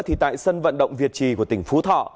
thì tại sân vận động việt trì của tỉnh phú thọ